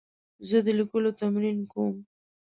زه د لیکلو تمرین کوم.